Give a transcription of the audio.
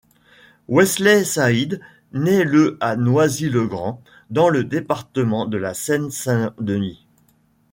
Wesley Saïd naît le à Noisy-le-Grand, dans le département de la Seine-Saint-Denis.